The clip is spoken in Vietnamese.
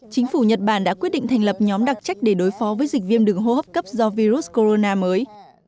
chính phủ nhật bản đã quyết định thành lập nhóm đặc trách để đối phó với dịch viêm đường hô hấp cấp do virus corona mới